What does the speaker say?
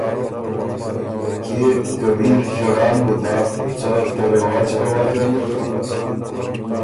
کيې که ویر ݫړان بُو داک، څه ته رواج په وجه